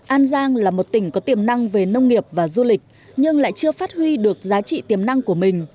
an giang là một tỉnh có tiềm năng về nông nghiệp và du lịch nhưng lại chưa phát huy được giá trị tiềm năng của mình